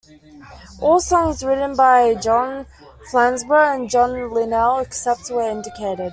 All songs written by John Flansburgh and John Linnell except where indicated.